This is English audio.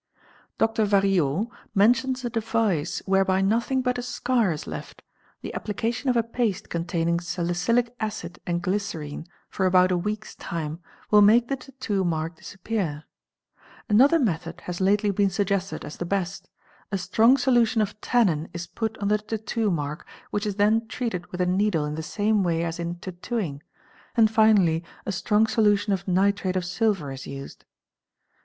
Dr. Variot @°*) mentions a device whereby nothing but a scar is left; the application of a paste containing salicylic acid and glycerine — (for about a week's time) will make the tattoo mark disappear @, Another method has lately been suggested as the best ; a strong solution of tannin is put on the tattoo mark which is then treated with a needle in the same way as in tattooing, and finally a strong solution of nitrate of silver is used.